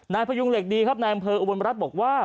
พยุงเหล็กดีครับนายอำเภออุบลรัฐบอกว่า